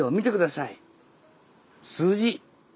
数字。